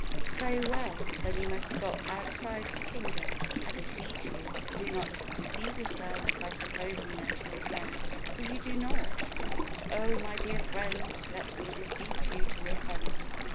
Very well; then you must stop outside the kingdom. I beseech you, do not deceive yourselves by supposing that you repent, for you do not; but, oh! my dear friends, let me beseech you to repent.